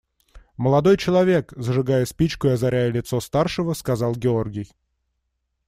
Молодой человек, – зажигая спичку и озаряя лицо старшего, сказал Георгий.